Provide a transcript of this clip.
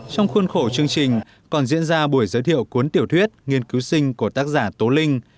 trong khuôn khổ chương trình còn diễn ra buổi giới thiệu cuốn tiểu thuyết nghiên cứu sinh của tác giả tố linh